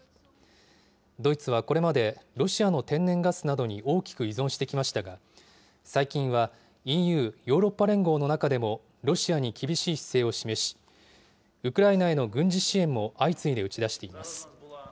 ドイツはこれまで、ロシアの天然ガスなどに大きく依存してきましたが、最近はＥＵ・ヨーロッパ連合の中でもロシアに厳しい姿勢を示し、ウクライナへの軍事支援も相次いで打ち出しています。